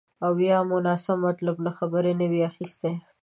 او یا مو ناسم مطلب له خبرې نه وي اخیستی